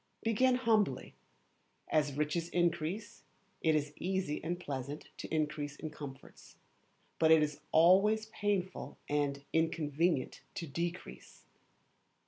Begin humbly. As riches increase, it is easy and pleasant to increase in comforts; but it is always painful and inconvenient to decrease.